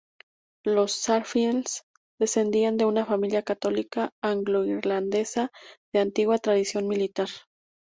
Los Sarsfield descendían de una familia católica anglo-irlandesa de antigua tradición militar.